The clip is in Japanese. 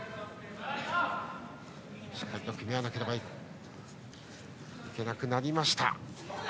しっかり組み合わなければいけなくなりました。